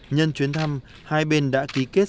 nhân chuyến thăm hai bên đã ký kết